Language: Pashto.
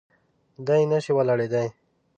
دی نه شي ولاړېدای.